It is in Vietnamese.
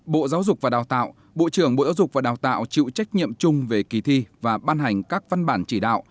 bộ giáo dục và đào tạo bộ trưởng bộ giáo dục và đào tạo chịu trách nhiệm chung về kỳ thi và ban hành các văn bản chỉ đạo